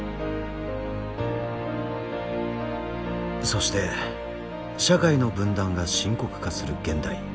そして社会の分断が深刻化する現代。